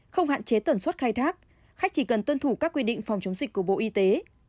không hạn chế tần suất khai thác khách chỉ cần tuân thủ các quy định phòng chống dịch của bộ y tế